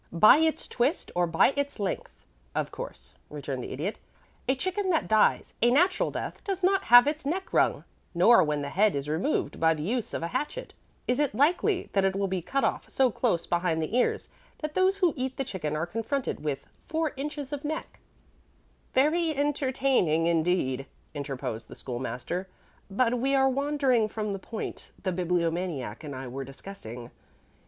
"By its twist or by its length, of course," returned the Idiot. "A chicken that dies a natural death does not have its neck wrung; nor when the head is removed by the use of a hatchet, is it likely that it will be cut off so close behind the ears that those who eat the chicken are confronted with four inches of neck." [Illustration: "'I STUCK TO THE PIGS'"] "Very entertaining indeed," interposed the School master; "but we are wandering from the point the Bibliomaniac and I were discussing.